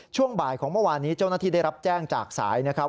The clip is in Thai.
ช่วงบ่ายของเมื่อวานนี้เจ้าหน้าที่ได้รับแจ้งจากสายนะครับ